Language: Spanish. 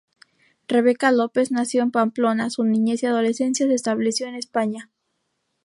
Rebeca López nació en Pamplona su niñez y adolescencia se estableció en España.